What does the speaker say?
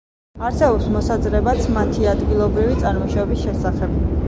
არსებობს მოსაზრებაც მათი ადგილობრივი წარმოშობის შესახებ.